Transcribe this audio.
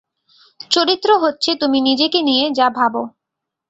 চরিত্র হচ্ছে তুমি নিজেকে নিয়ে যা ভাবো।